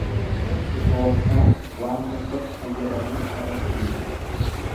Tooftaan waan tokkotti fayyadamuu agarsiisa.